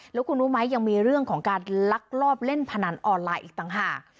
แล้วคุณรู้ไหมยังมีเรื่องของการลักลอบเล่นพนันออนไลน์อีกต่างหาก